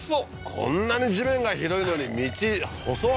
こんなに地面が広いのに道細っ！